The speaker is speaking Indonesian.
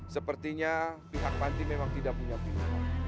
sepertinya pihak panti memang tidak punya pilihan